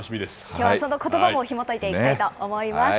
きょうはそのことばもひもといていきたいと思います。